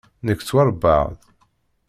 Nekk ttwaṛebbaɣ-d.